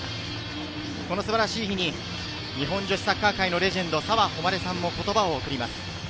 この素晴らしい日に日本女子サッカー界のレジェンド、澤穂希さんも言葉を贈ります。